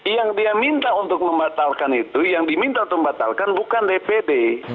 yang dia minta untuk membatalkan itu yang diminta untuk membatalkan bukan dpd